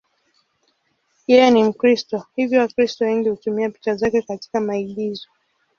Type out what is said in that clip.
Yeye ni Mkristo, hivyo Wakristo wengi hutumia picha zake katika maigizo.